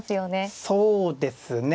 そうですね。